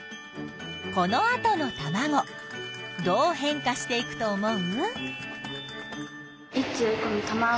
このあとのたまごどう変化していくと思う？